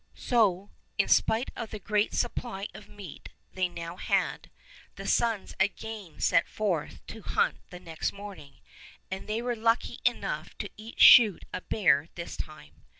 So, in spite of the great supply of meat they now had, the sons again set forth to hunt the next morning, and they were lucky enough to each shoot a bear this time.